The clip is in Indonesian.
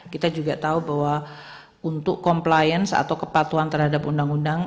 kita juga tahu bahwa untuk compliance atau kepatuhan terhadap undang undang